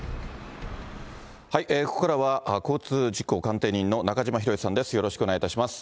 ここからは、交通事故鑑定人の中島博史さんです。